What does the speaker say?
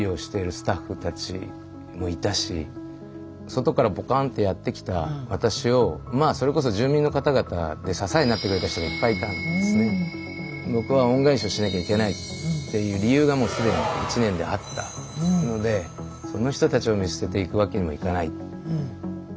スタッフたちもいたし外からボカンとやって来た私をまあそれこそ住民の方々で僕は恩返しをしなきゃいけないっていう理由がもう既に１年であったのでその人たちを見捨てていくわけにもいかない。